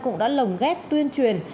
cũng đã lồng ghép tuyên truyền